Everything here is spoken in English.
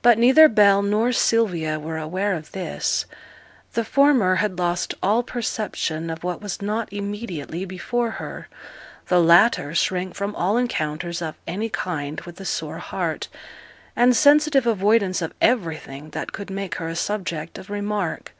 But neither Bell nor Sylvia were aware of this. The former had lost all perception of what was not immediately before her; the latter shrank from all encounters of any kind with a sore heart, and sensitive avoidance of everything that could make her a subject of remark.